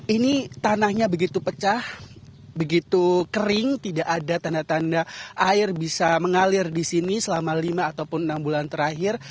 ini tanahnya begitu pecah begitu kering tidak ada tanda tanda air bisa mengalir di sini selama lima ataupun enam bulan terakhir